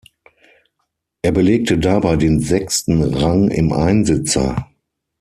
Er belegte dabei den sechsten Rang im Einsitzer.